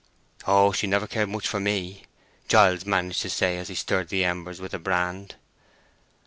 "Oh, she never cared much for me," Giles managed to say, as he stirred the embers with a brand.